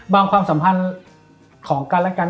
ความสัมพันธ์ของกันและกัน